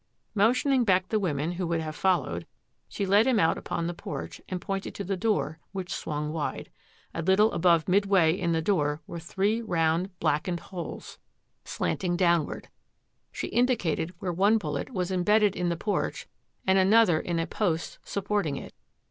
Motioning back the women who would have fol lowed, she led him out upon the porch and pointed to the door, which swung wide. A little above mid way in the door were three round, blackened holes. MARY SURPRISES CLAVERING 807 slanting downward. She indicated where one bul let was imbedded in the porch and another in a post supporting it.